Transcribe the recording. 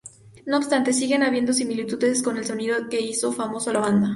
No obstante, siguen habiendo similitudes con el sonido que hizo famoso a la banda.